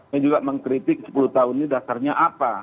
yang juga mengkritik sepuluh tahun ini dasarnya apa